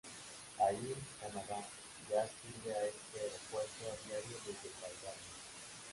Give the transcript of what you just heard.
Air Canada Jazz sirve a este aeropuerto a diario desde Calgary.